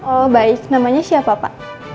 oh baik namanya siapa pak